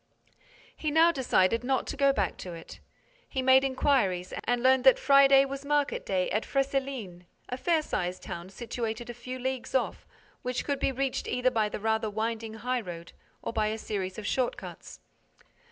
He now decided not to go back to it. He made inquiries and learnt that Friday was market day at Fresselines, a fair sized town situated a few leagues off, which could be reached either by the rather winding highroad or by a series of short cuts.